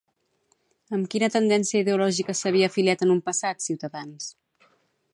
Amb quina tendència ideològica s'havia afiliat en un passat, Ciutadans?